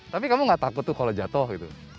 tapi kamu gak takut tuh kalau jatuh gitu